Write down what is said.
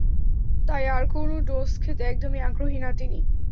তাই আর কোনো ডোজ খেতে একদমই আগ্রহী না তিনি।